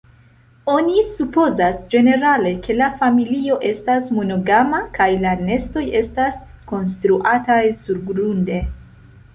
Oni supozas ĝenerale, ke la familio estas monogama, kaj la nestoj estas konstruataj surgrunde.